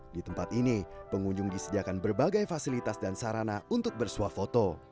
di tempat ini pengunjung disediakan berbagai fasilitas dan sarana untuk bersuah foto